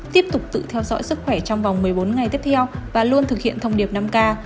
tiếp tục tự theo dõi sức khỏe trong vòng một mươi bốn ngày tiếp theo và luôn thực hiện thông điệp năm k